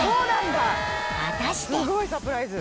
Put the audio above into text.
［果たして］